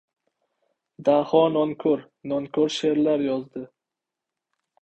Daho nonko‘r-nonko‘r she’rlar yozdi.